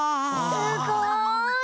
すごい！